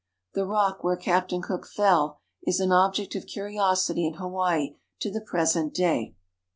The rock where Captain Cook fell is an object of curiosity in Hawaii to the present day.